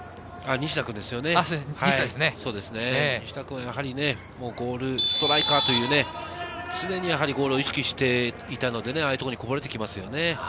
西田君はね、ゴールストライカーというね、常にゴールを意識していたのでね、ああいうところにこぼれてきますよね。